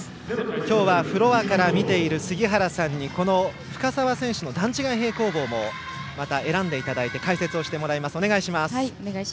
今日はフロアから見ている杉原さんにこの深沢選手の段違い平行棒もまた選んでいただいて解説してもらいます。